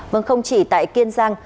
vâng không chỉ tại kiên giang